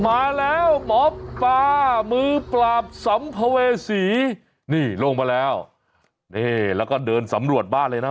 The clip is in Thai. มาแล้วหมอปลามือปราบสัมภเวษีนี่ลงมาแล้วนี่แล้วก็เดินสำรวจบ้านเลยนะ